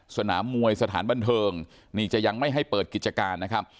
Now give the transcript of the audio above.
สนามมวยสถานบันเทิงนี่จะยังไม่ให้เปิดกิจการนะครับ